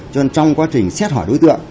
cho nên trong quá trình xét hỏi đối tượng